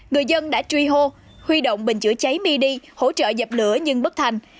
người dân đã truy hô huy động bình chữa cháy mi đi hỗ trợ dập lửa nhưng bất thành